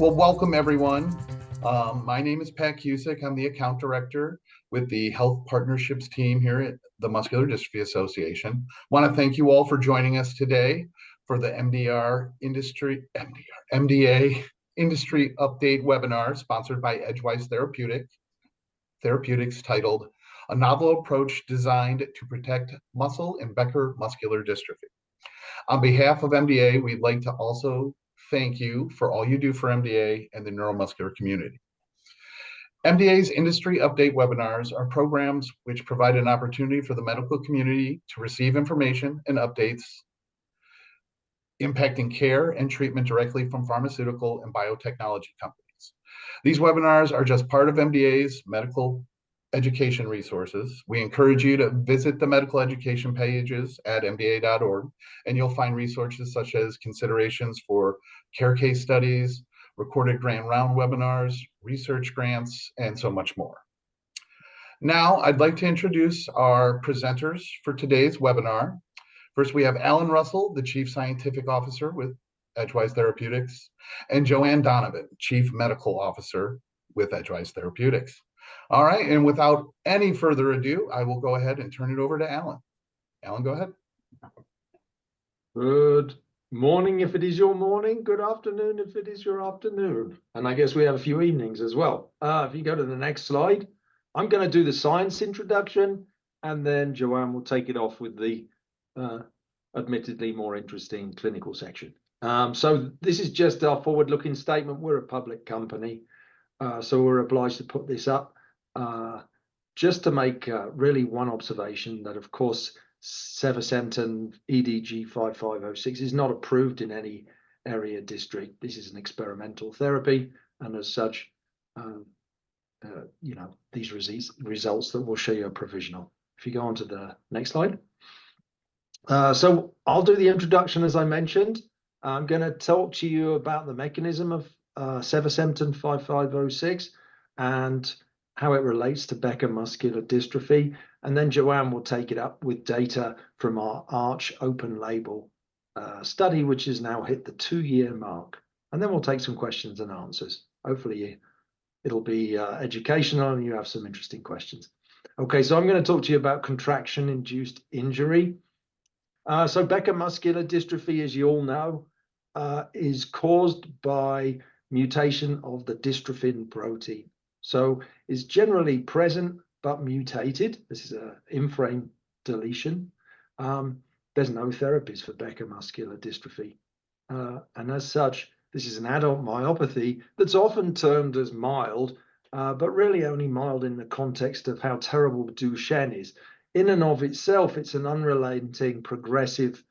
Welcome everyone. My name is Pat Cusick. I'm the Account Director with the Health Partnerships Team here at the Muscular Dystrophy Association. I want to thank you all for joining us today for the MDA Industry Update webinar sponsored by Edgewise Therapeutics, titled "A Novel Approach Designed to Protect Muscle in Becker Muscular Dystrophy." On behalf of MDA, we'd like to also thank you for all you do for MDA and the neuromuscular community. MDA's Industry Update webinars are programs which provide an opportunity for the medical community to receive information and updates impacting care and treatment directly from pharmaceutical and biotechnology companies. These webinars are just part of MDA's medical education resources. We encourage you to visit the medical education pages at mda.org, and you'll find resources such as considerations for care, case studies, recorded Grand Rounds webinars, research grants, and so much more. Now, I'd like to introduce our presenters for today's webinar. First, we have Alan Russell, the Chief Scientific Officer with Edgewise Therapeutics, and Joanne Donovan, Chief Medical Officer with Edgewise Therapeutics. All right, and without any further ado, I will go ahead and turn it over to Alan. Alan, go ahead. Good morning, if it is your morning. Good afternoon, if it is your afternoon. And I guess we have a few evenings as well. If you go to the next slide, I'm going to do the science introduction, and then Joanne will take it off with the admittedly more interesting clinical section. So this is just our forward-looking statement. We're a public company, so we're obliged to put this up just to make really one observation that, of course, Sevasemten EDG-5506 is not approved in any jurisdiction. This is an experimental therapy, and as such, you know these results that we'll show you are provisional. If you go on to the next slide. So I'll do the introduction, as I mentioned. I'm going to talk to you about the mechanism of Sevasemten 5506 and how it relates to Becker muscular dystrophy. And then Joanne will take it up with data from our ARCH open-label study, which has now hit the two-year mark. And then we'll take some questions and answers. Hopefully, it'll be educational and you have some interesting questions. Okay, so I'm going to talk to you about contraction-induced injury. So Becker muscular dystrophy, as you all know, is caused by mutation of the dystrophin protein. So it's generally present but mutated. This is an in-frame deletion. There's no therapies for Becker muscular dystrophy. And as such, this is an adult myopathy that's often termed as mild, but really only mild in the context of how terrible Duchenne is. In and of itself, it's an unrelenting progressive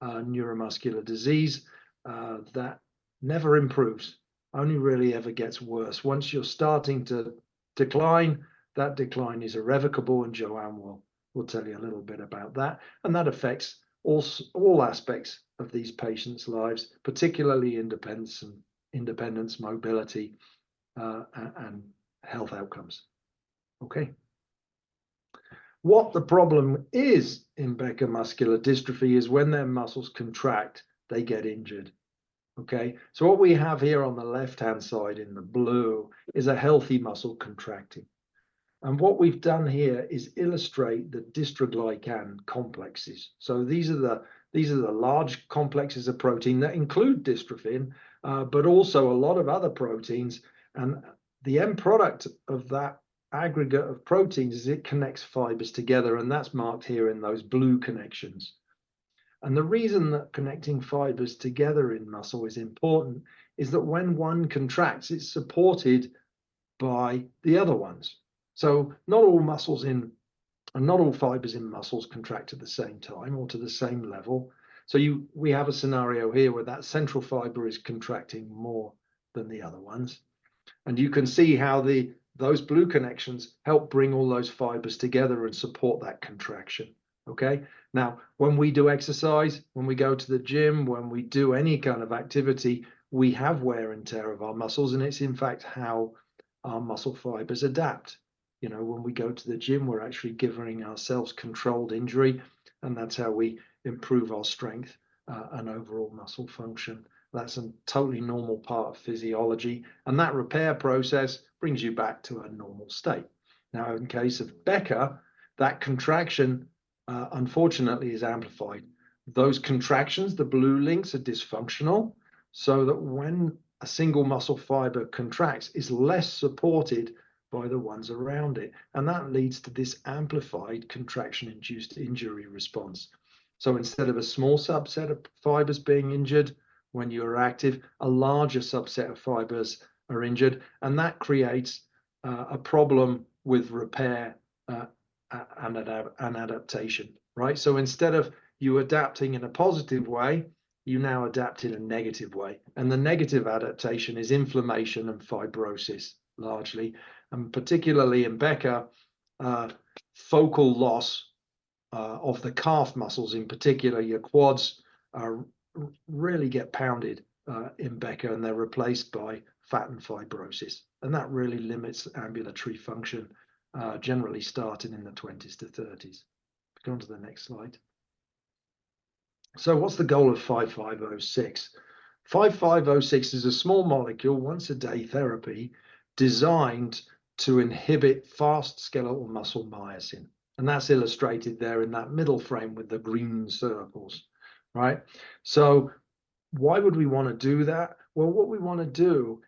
neuromuscular disease that never improves, only really ever gets worse. Once you're starting to decline, that decline is irrevocable, and Joanne will tell you a little bit about that. That affects all aspects of these patients' lives, particularly independence and mobility, and health outcomes. Okay. What the problem is in Becker muscular dystrophy is when their muscles contract, they get injured. Okay, so what we have here on the left-hand side in the blue is a healthy muscle contracting. And what we've done here is illustrate the dystroglycan complexes. So these are the large complexes of protein that include dystrophin, but also a lot of other proteins. And the end product of that aggregate of proteins is it connects fibers together, and that's marked here in those blue connections. And the reason that connecting fibers together in muscle is important is that when one contracts, it's supported by the other ones. So not all muscles in, and not all fibers in muscles contract at the same time or to the same level. So we have a scenario here where that central fiber is contracting more than the other ones. And you can see how those blue connections help bring all those fibers together and support that contraction. Okay, now, when we do exercise, when we go to the gym, when we do any kind of activity, we have wear and tear of our muscles, and it's in fact how our muscle fibers adapt. You know, when we go to the gym, we're actually giving ourselves controlled injury, and that's how we improve our strength and overall muscle function. That's a totally normal part of physiology, and that repair process brings you back to a normal state. Now, in case of Becker, that contraction, unfortunately, is amplified. Those contractions, the blue links, are dysfunctional so that when a single muscle fiber contracts, it's less supported by the ones around it. That leads to this amplified contraction-induced injury response, so instead of a small subset of fibers being injured when you're active, a larger subset of fibers are injured, and that creates a problem with repair and adaptation. Right, so instead of you adapting in a positive way, you now adapt in a negative way, and the negative adaptation is inflammation and fibrosis, largely, and particularly in Becker, focal loss of the calf muscles in particular, your quads really get pounded in Becker, and they're replaced by fat and fibrosis, and that really limits ambulatory function, generally starting in the 20s to 30s. Go on to the next slide, so what's the goal of 5506? 5506 is a small molecule, once-a-day therapy, designed to inhibit fast skeletal muscle myosin, and that's illustrated there in that middle frame with the green circles. Right, so why would we want to do that? What we want to do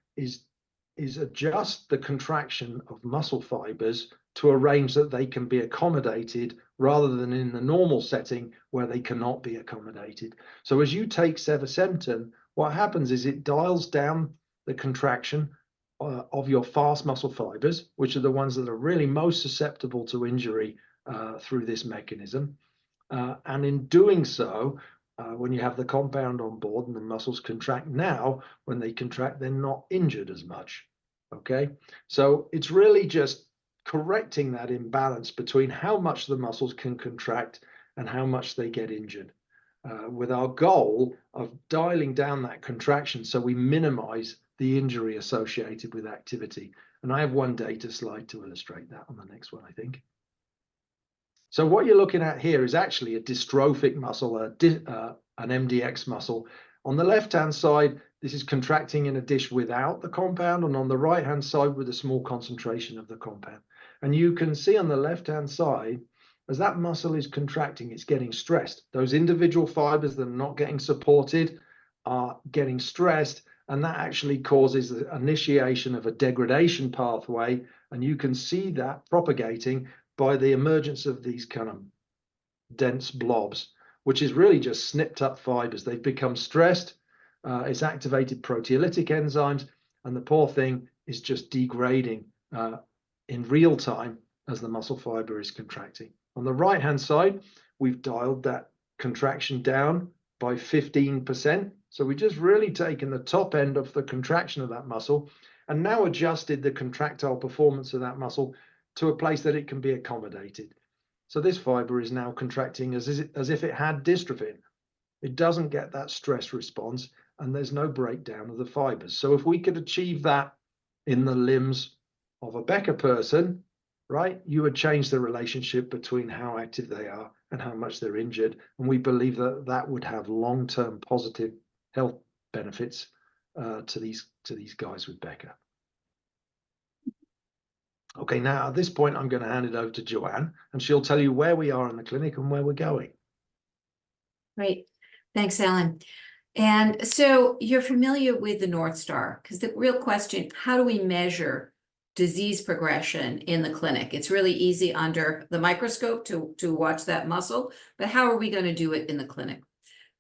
is adjust the contraction of muscle fibers to a range that they can be accommodated rather than in the normal setting where they cannot be accommodated. So as you take sevasemten, what happens is it dials down the contraction of your fast muscle fibers, which are the ones that are really most susceptible to injury through this mechanism. And in doing so, when you have the compound on board and the muscles contract, now when they contract, they're not injured as much. Okay, so it's really just correcting that imbalance between how much the muscles can contract and how much they get injured, with our goal of dialing down that contraction so we minimize the injury associated with activity. And I have one data slide to illustrate that on the next one, I think. So what you're looking at here is actually a dystrophic muscle, an mdx muscle. On the left-hand side, this is contracting in a dish without the compound, and on the right-hand side, with a small concentration of the compound. And you can see on the left-hand side, as that muscle is contracting, it's getting stressed. Those individual fibers that are not getting supported are getting stressed, and that actually causes the initiation of a degradation pathway. And you can see that propagating by the emergence of these kind of dense blobs, which is really just snipped-up fibers. They've become stressed. It's activated proteolytic enzymes, and the poor thing is just degrading in real time as the muscle fiber is contracting. On the right-hand side, we've dialed that contraction down by 15%. So we've just really taken the top end of the contraction of that muscle and now adjusted the contractile performance of that muscle to a place that it can be accommodated. So this fiber is now contracting as if it had dystrophin. It doesn't get that stress response, and there's no breakdown of the fibers. So if we could achieve that in the limbs of a Becker person, right, you would change the relationship between how active they are and how much they're injured. And we believe that that would have long-term positive health benefits to these guys with Becker. Okay, now at this point, I'm going to hand it over to Joanne, and she'll tell you where we are in the clinic and where we're going. Great. Thanks, Alan. And so you're familiar with the North Star, because the real question, how do we measure disease progression in the clinic? It's really easy under the microscope to watch that muscle, but how are we going to do it in the clinic?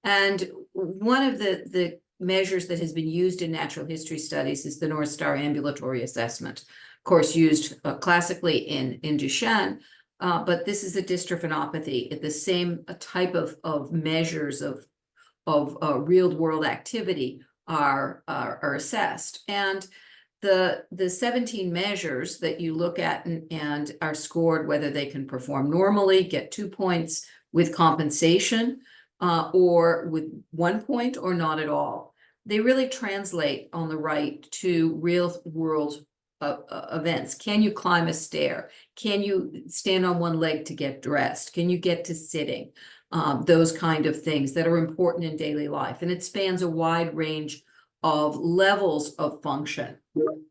And one of the measures that has been used in natural history studies is the North Star Ambulatory Assessment, of course, used classically in Duchenne. But this is a dystrophinopathy. The same type of measures of real-world activity are assessed. And the 17 measures that you look at and are scored, whether they can perform normally, get two points with compensation, or with one point or not at all, they really translate on the right to real-world events. Can you climb a stair? Can you stand on one leg to get dressed? Can you get to sitting? Those kinds of things that are important in daily life, and it spans a wide range of levels of function,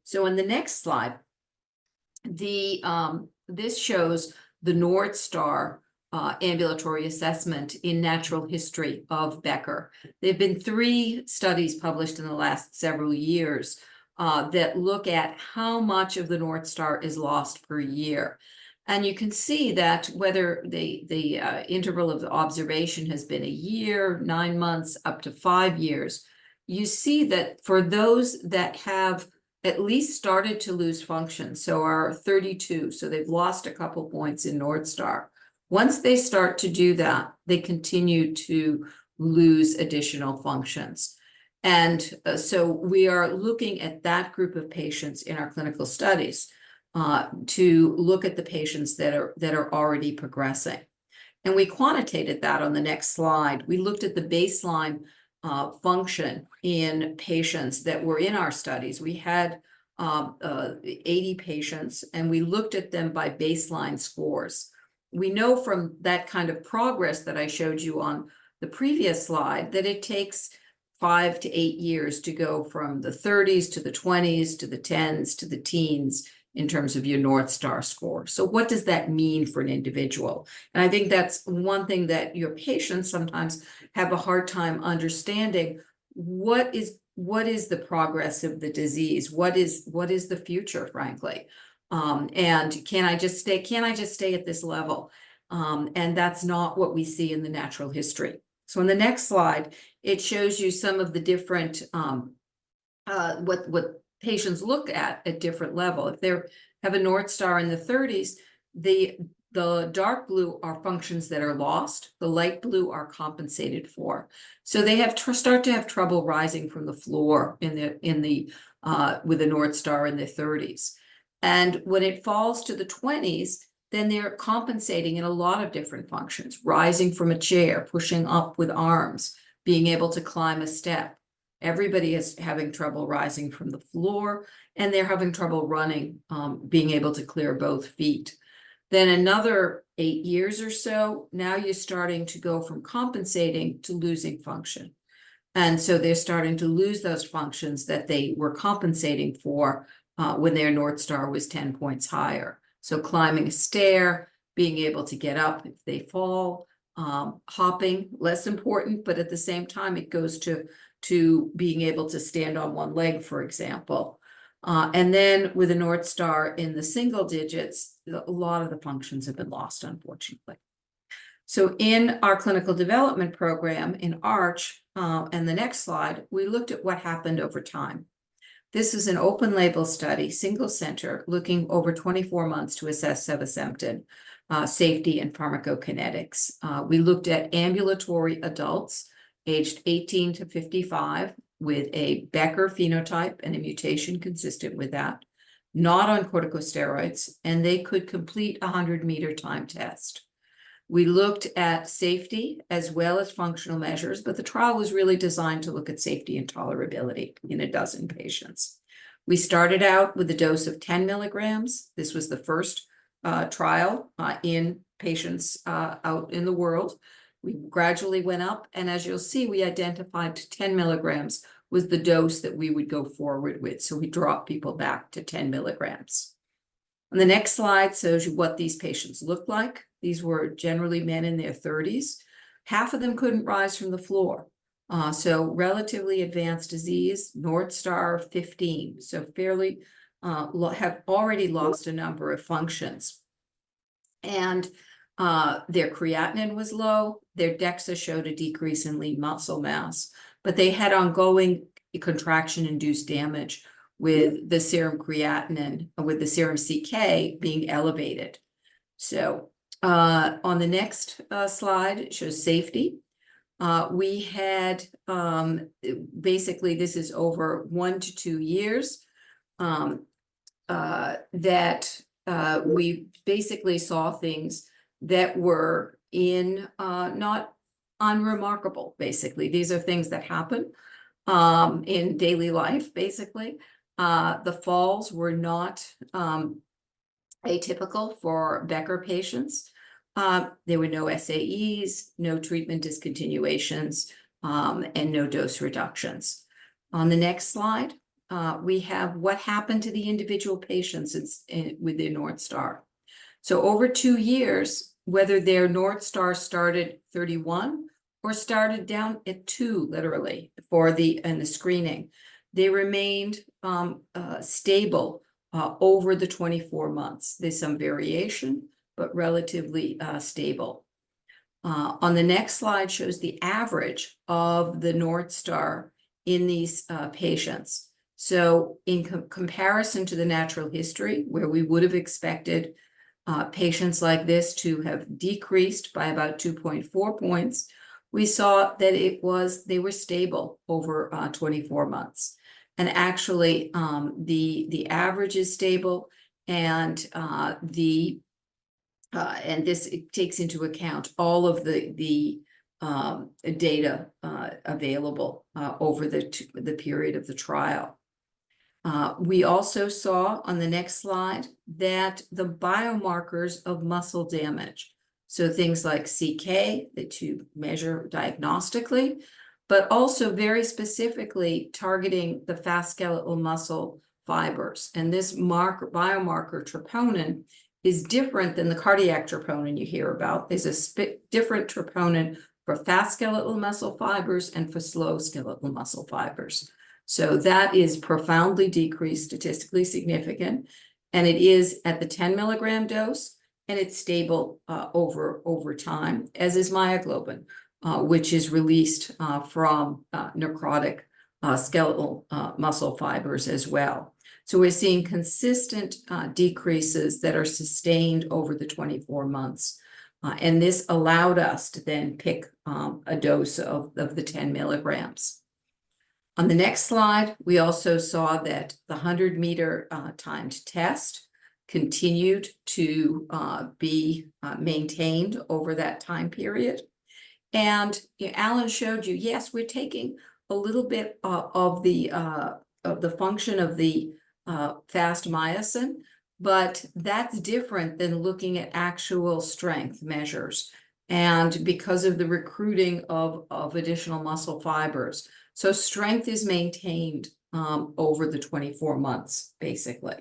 so on the next slide, this shows the North Star Ambulatory Assessment in natural history of Becker. There have been three studies published in the last several years that look at how much of the North Star is lost per year, and you can see that whether the interval of observation has been a year, nine months, up to five years, you see that for those that have at least started to lose function, so our 32, so they've lost a couple of points in North Star. Once they start to do that, they continue to lose additional functions, and so we are looking at that group of patients in our clinical studies to look at the patients that are already progressing, and we quantitated that on the next slide. We looked at the baseline function in patients that were in our studies. We had 80 patients, and we looked at them by baseline scores. We know from that kind of progress that I showed you on the previous slide that it takes five to eight years to go from the 30s to the 20s to the 10s to the teens in terms of your North Star score. So what does that mean for an individual? And I think that's one thing that your patients sometimes have a hard time understanding. What is the progress of the disease? What is the future, frankly? And can I just stay at this level? And that's not what we see in the natural history. So on the next slide, it shows you some of the different what patients look at at different levels. If they have a North Star in the 30s, the dark blue are functions that are lost. The light blue are compensated for, so they start to have trouble rising from the floor with a North Star in their 30s. When it falls to the 20s, then they're compensating in a lot of different functions, rising from a chair, pushing up with arms, being able to climb a step. Everybody is having trouble rising from the floor, and they're having trouble running, being able to clear both feet. After another eight years or so, now you're starting to go from compensating to losing function, so they're starting to lose those functions that they were compensating for when their North Star was 10 points higher. Climbing a stair, being able to get up if they fall, hopping, less important, but at the same time, it goes to being able to stand on one leg, for example. And then with a North Star in the single digits, a lot of the functions have been lost, unfortunately. So in our clinical development program in ARCH, and the next slide, we looked at what happened over time. This is an open label study, single center, looking over 24 months to assess sevasemten safety and pharmacokinetics. We looked at ambulatory adults aged 18 to 55 with a Becker phenotype and a mutation consistent with that, not on corticosteroids, and they could complete a 100-meter timed test. We looked at safety as well as functional measures, but the trial was really designed to look at safety and tolerability in a dozen patients. We started out with a dose of 10 mg. This was the first trial in patients out in the world. We gradually went up, and as you'll see, we identified 10 mg was the dose that we would go forward with, so we dropped people back to 10 mg, and the next slide shows you what these patients looked like. These were generally men in their 30s. Half of them couldn't rise from the floor, so relatively advanced disease, North Star 15, so fairly have already lost a number of functions, and their creatinine was low. Their DEXA showed a decrease in lean muscle mass, but they had ongoing contraction-induced damage with the serum creatinine, with the serum CK being elevated, so on the next slide, it shows safety. We had basically, this is over one to two years that we basically saw things that were not unremarkable, basically. These are things that happen in daily life, basically. The falls were not atypical for Becker patients. There were no SAEs, no treatment discontinuations, and no dose reductions. On the next slide, we have what happened to the individual patients with the North Star. So over two years, whether their North Star started 31 or started down at two, literally, for the screening, they remained stable over the 24 months. There's some variation, but relatively stable. On the next slide shows the average of the North Star in these patients. So in comparison to the natural history, where we would have expected patients like this to have decreased by about 2.4 points, we saw that they were stable over 24 months, and actually, the average is stable, and this takes into account all of the data available over the period of the trial. We also saw on the next slide that the biomarkers of muscle damage, so things like CK that you measure diagnostically, but also very specifically targeting the fast skeletal muscle fibers, and this biomarker troponin is different than the cardiac troponin you hear about. There's a different troponin for fast skeletal muscle fibers and for slow skeletal muscle fibers, so that is profoundly decreased, statistically significant, and it is at the 10-mg dose, and it's stable over time, as is myoglobin, which is released from necrotic skeletal muscle fibers as well. So we're seeing consistent decreases that are sustained over the 24 months, and this allowed us to then pick a dose of the 10 mg. On the next slide, we also saw that the 100-meter timed test continued to be maintained over that time period. And Alan showed you, yes, we're taking a little bit of the function of the fast myosin, but that's different than looking at actual strength measures, and because of the recruiting of additional muscle fibers. So strength is maintained over the 24 months, basically.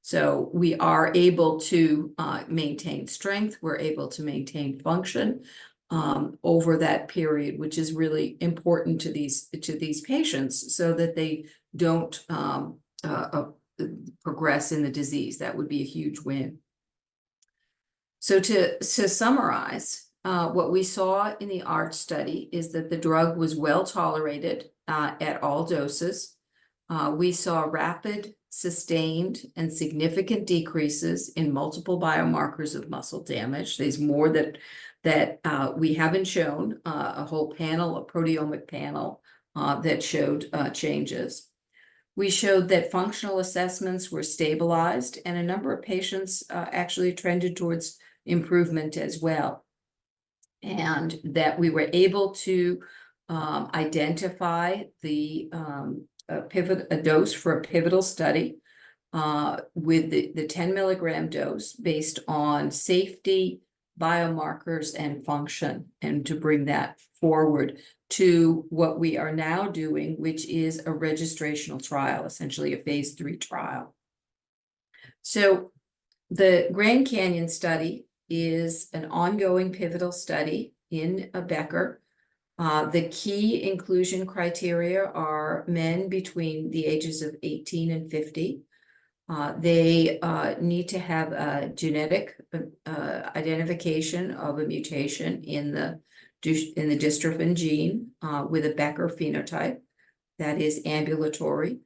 So we are able to maintain strength. We're able to maintain function over that period, which is really important to these patients so that they don't progress in the disease. That would be a huge win. So to summarize, what we saw in the ARCH study is that the drug was well tolerated at all doses. We saw rapid, sustained, and significant decreases in multiple biomarkers of muscle damage. There's more that we haven't shown, a whole panel, a proteomic panel, that showed changes. We showed that functional assessments were stabilized, and a number of patients actually trended towards improvement as well. And that we were able to identify a dose for a pivotal study with the 10-mg dose based on safety, biomarkers, and function, and to bring that forward to what we are now doing, which is a registrational trial, essentially a phase III trial. So the Grand Canyon study is an ongoing pivotal study in Becker. The key inclusion criteria are men between the ages of 18 and 50. They need to have a genetic identification of a mutation in the dystrophin gene with a Becker phenotype that is ambulatory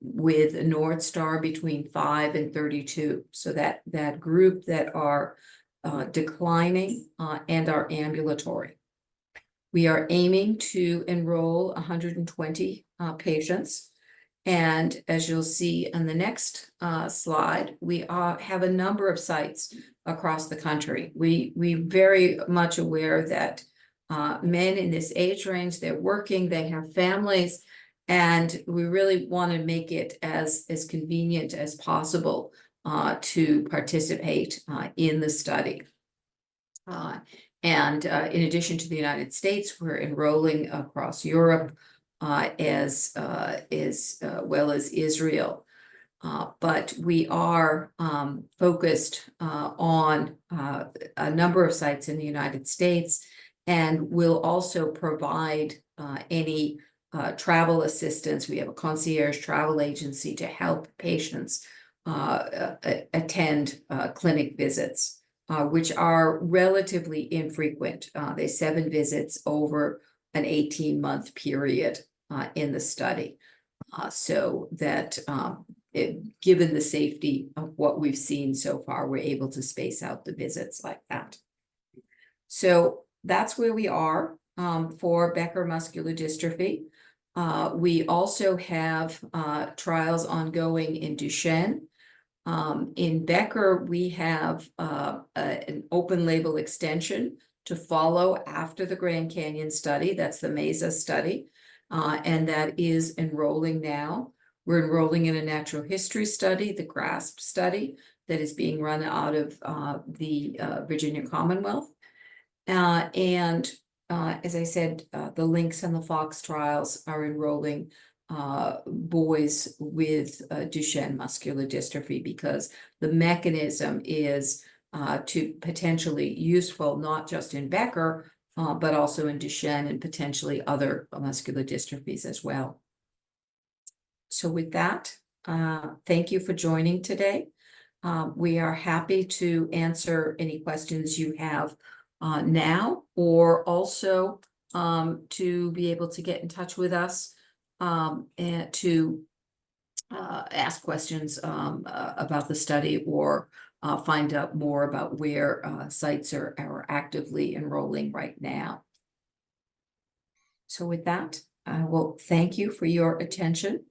with a North Star between 5 and 32. So that group that are declining and are ambulatory. We are aiming to enroll 120 patients. And as you'll see on the next slide, we have a number of sites across the country. We're very much aware that men in this age range, they're working, they have families. We really want to make it as convenient as possible to participate in the study. In addition to the United States, we're enrolling across Europe as well as Israel. We are focused on a number of sites in the United States and will also provide any travel assistance. We have a concierge travel agency to help patients attend clinic visits, which are relatively infrequent. There's seven visits over an 18-month period in the study. That, given the safety of what we've seen so far, we're able to space out the visits like that. That's where we are for Becker muscular dystrophy. We also have trials ongoing in Duchenne. In Becker, we have an open label extension to follow after the Grand Canyon study. That's the MASA study. That is enrolling now. We're enrolling in a natural history study, the GRASP study that is being run out of the Virginia Commonwealth. And as I said, the LYNX and the FOX trials are enrolling boys with Duchenne muscular dystrophy because the mechanism is potentially useful not just in Becker, but also in Duchenne and potentially other muscular dystrophies as well. So with that, thank you for joining today. We are happy to answer any questions you have now or also to be able to get in touch with us to ask questions about the study or find out more about where sites are actively enrolling right now. So with that, I will thank you for your attention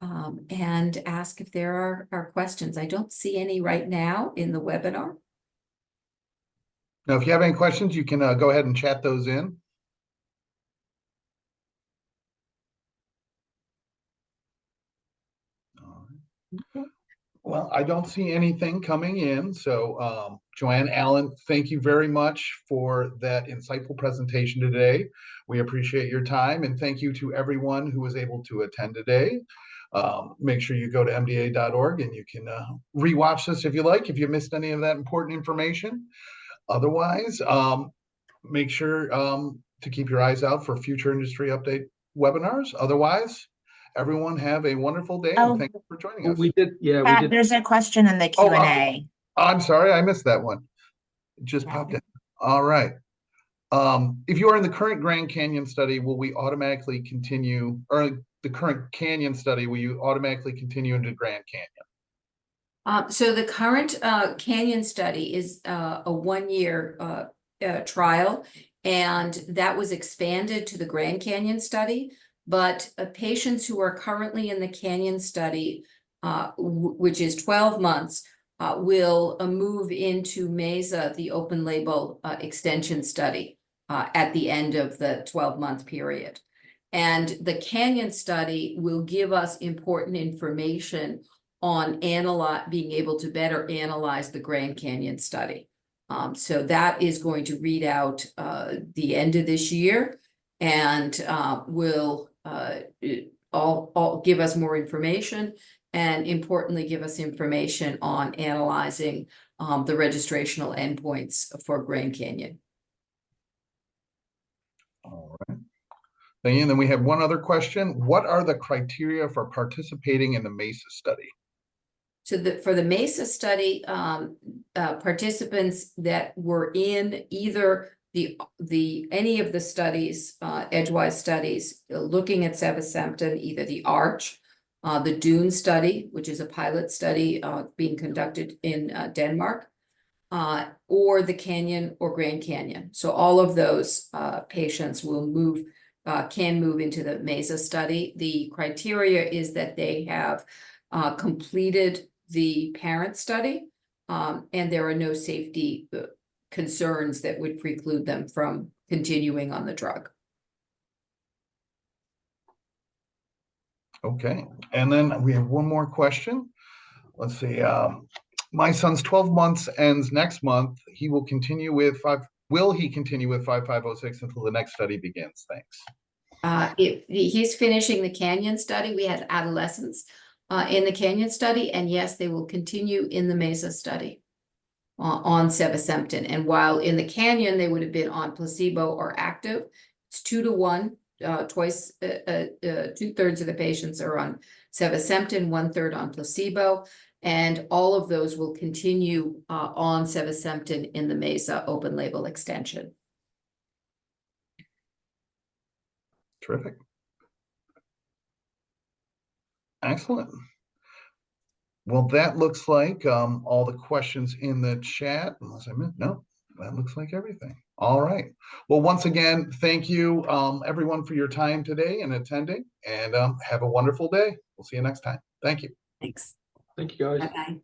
and ask if there are questions. I don't see any right now in the webinar. Now, if you have any questions, you can go ahead and chat those in. All right. I don't see anything coming in. So Joanne, Alan, thank you very much for that insightful presentation today. We appreciate your time. And thank you to everyone who was able to attend today. Make sure you go to mda.org, and you can rewatch this if you like, if you missed any of that important information. Otherwise, make sure to keep your eyes out for future industry update webinars. Otherwise, everyone have a wonderful day. Thank you for joining us. We did. Yeah, we did. There's a question in the Q&A. I'm sorry. I missed that one. It just popped in. All right. If you are in the current Grand Canyon study, will we automatically continue or the current Canyon study, will you automatically continue into Grand Canyon? So the current Canyon study is a one-year trial, and that was expanded to the Grand Canyon study. Patients who are currently in the Canyon study, which is 12 months, will move into MASA, the open-label extension study at the end of the 12-month period. The Canyon study will give us important information on being able to better analyze the Grand Canyon study. That is going to read out at the end of this year and will give us more information and, importantly, give us information on analyzing the registrational endpoints for Grand Canyon. All right. Thank you. We have one other question. What are the criteria for participating in the MASA study? For the MASA study, participants that were in either any of the studies, Edgewise studies, looking at sevasemten, either the ARCH, the DUNE study, which is a pilot study being conducted in Denmark, or the Canyon or Grand Canyon. All of those patients can move into the MASA study. The criteria is that they have completed the parent study, and there are no safety concerns that would preclude them from continuing on the drug. Okay. And then we have one more question. Let's see. My son's 12 months ends next month. Will he continue with 5506 until the next study begins? Thanks. He's finishing the Canyon study. We had adolescents in the Canyon study. And yes, they will continue in the MASA study on sevasemten. And while in the Canyon, they would have been on placebo or active. It's two to one. Two-thirds of the patients are on sevasemten, one-third on placebo. And all of those will continue on sevasemten in the MASA open label extension. Terrific. Excellent. Well, that looks like all the questions in the chat. Unless I missed no. That looks like everything. All right. Well, once again, thank you, everyone, for your time today and attending. And have a wonderful day. We'll see you next time. Thank you. Thanks. Thank you, guys. Bye.